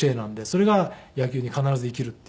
それが野球に必ず生きるっていう。